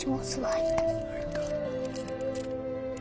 入った。